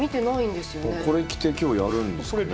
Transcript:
これ着て今日やるんですかね。